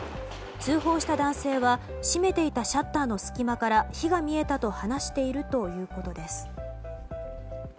通報した男性は閉めていたシャッターの隙間から火が見えたと話しているということです。